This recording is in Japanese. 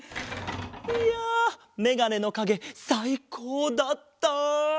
いやメガネのかげさいこうだった！